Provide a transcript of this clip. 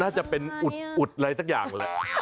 น่าจะเป็นอุดอะไรสักอย่างแหละ